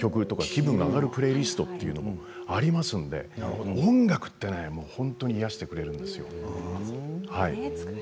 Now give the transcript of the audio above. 気分が上がるプレーリストがありますので音楽は本当に癒やしてくれるんですよね。